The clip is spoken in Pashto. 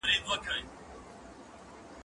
هغه څوک چي ونه ساتي ګټه کوي،